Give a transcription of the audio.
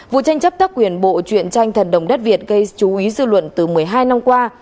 vụ tranh chấp tác quyền bộ chuyện tranh thần đồng đất việt gây chú ý dư luận từ một mươi hai năm qua